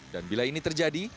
dan bila ini terjadi